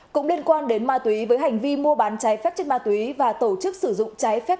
cũng liên quan đến ma túy với hành vi mua bán cháy phép chất ma túy và tổ chức sử dụng trái phép